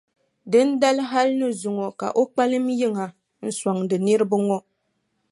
Dindali hali ni zuŋɔ ka o kpalim yiŋa n-sɔŋdi niriba ŋɔ.